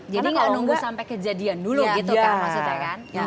jadi gak nunggu sampai kejadian dulu gitu kan maksudnya kan